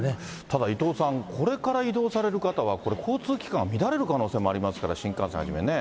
ただ伊藤さん、これから移動される方は、これ、交通機関は乱れる可能性もありますから、新幹線はじめね。